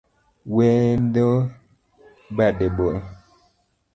Wendo bade boyo